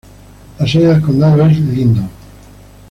La sede del condado es Lyndon.